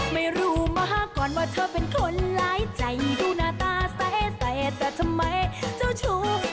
ไม่รู้มาก่อนว่าเธอเป็นคนหลายใจดูหน้าตาใสแต่ทำไมเจ้าชู้